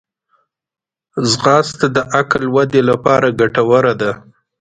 ځغاسته د عقل ودې لپاره ګټوره ده